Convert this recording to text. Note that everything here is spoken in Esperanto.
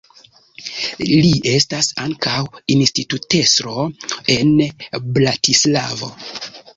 Li estas ankaŭ institutestro en Bratislavo.